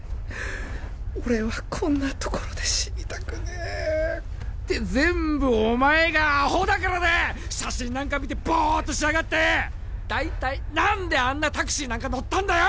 俺はこんなところで死にたくねえて全部お前がアホだからだ写真なんか見てボーッとしやがって大体何であんなタクシーなんか乗ったんだよ